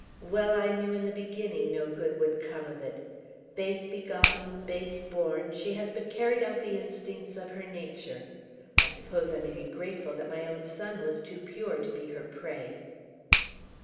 "Well I knew in the beginning no good would come of it; base begotten, base born, she has but carried out the instincts of her nature. I suppose I may be grateful that my own son was too pure to be her prey!"